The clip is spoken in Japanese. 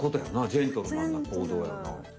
ジェントルマンな行動やもんな。